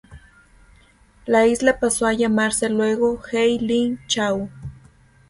La isla pasó a llamarse luego Hei Ling Chau.